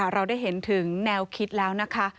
เราได้เห็นถึงแนวคิดแล้วนะคะ